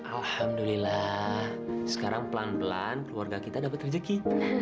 alhamdulillah sekarang pelan pelan keluarga kita dapat rezeki